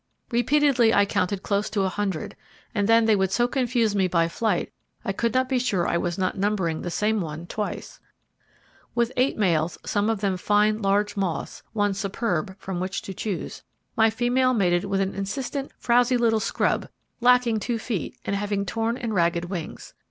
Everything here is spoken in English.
Repeatedly I counted close to a hundred, and then they would so confuse me by flight I could not be sure I was not numbering the same one twice. With eight males, some of them fine large moths, one superb, from which to choose, my female mated with an insistent, frowsy little scrub lacking two feet and having torn and ragged wings.